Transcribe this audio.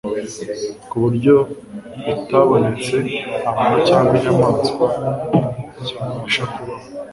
ku buryo bitabonetse nta muntu cyangwa inyamaswa byabasha kubaho.